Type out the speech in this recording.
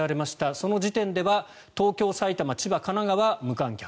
その時点では東京、埼玉、千葉神奈川は無観客。